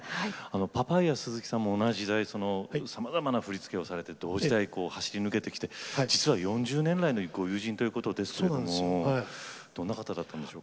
パパイヤ鈴木さんも同じ時代さまざまな振り付けをされて同時代走り抜けてきて実は４０年来のご友人ということですけどもどんな方だったんでしょうか？